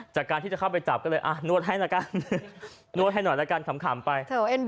จากการที่จะเข้าไปจับก็เลยนวดให้หน่อยละกันทำขามไป